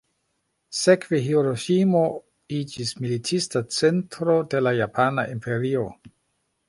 Sekve Hiroŝimo iĝis militista centro de la japana imperio.